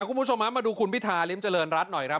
คุณผู้ชมมาดูคุณพิธาริมเจริญรัฐหน่อยครับ